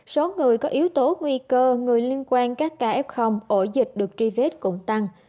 số người có yếu tố nguy cơ người liên quan các ca f ổ dịch được truy vết cũng tăng